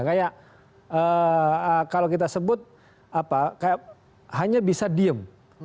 kayak kalau kita sebut hanya bisa diem